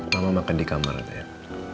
mama makan di kamar dayan